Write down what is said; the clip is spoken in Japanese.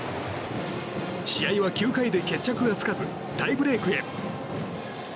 試合は９回で決着がつかずタイブレークへ。